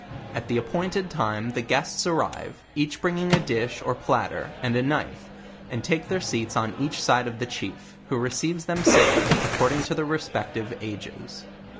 At the appointed time the guests arrive, each bringing a dish or platter, and a knife, and take their seats on each side of the chief, who receives them sitting, according to their respective ages.